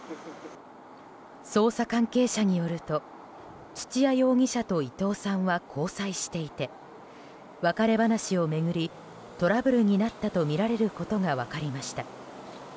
捜査関係者によると土屋容疑者と伊藤さんは交際していて、別れ話を巡りトラブルになったとみられることが分かりました。